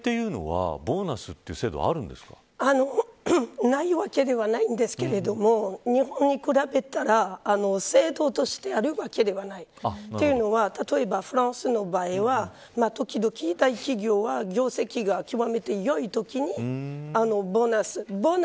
欧米はボーナスというないわけではないんですけれども日本に比べたら制度としてあるわけではない。というのは例えばフランスの場合は時々、大企業は業績が極めて良いときにボーナス。